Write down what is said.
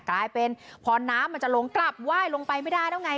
กลายเป็นพอน้ำมันจะลงกลับไหว้ลงไปไม่ได้แล้วไง